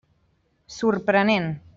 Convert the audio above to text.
Sorprenent.